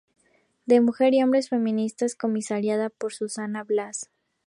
De mujeres y hombres feministas", comisariada por Susana Blas.